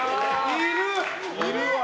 いる！